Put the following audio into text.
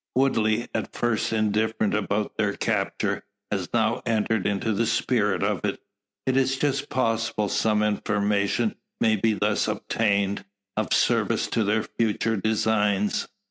Woodley, at first indifferent about their capture, has now entered into the spirit of it. It is just possible some information may be thus obtained, of service to their future designs.